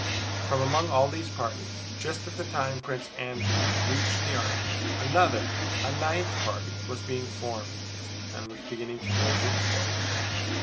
From among all these parties, just at the time Prince Andrew reached the army, another, a ninth party, was being formed and was beginning to raise its voice.